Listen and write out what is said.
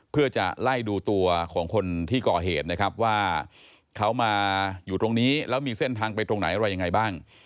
เพื่อจะไล่ดูตัวของคนที่ก่อเหตุนะครับว่าเขามาอยู่ตรงนี้แล้วมีเส้นทางไปตรงไหนอะไรยังไงบ้าง